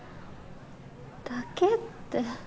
「だけ」って。